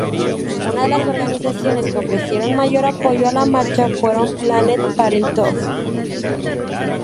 Una de las organizaciones que ofrecieron mayor apoyo a la marcha fueron Planned Parenthood.